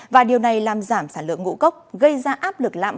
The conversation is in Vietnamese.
và điều này làm giảm sản lượng ngũ cốc gây ra áp lực lạm